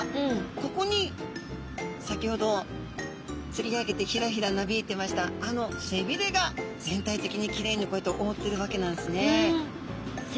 ここに先ほど釣り上げてヒラヒラなびいてましたあの背びれが全体的にきれいにこうやって覆ってるわけなんですね。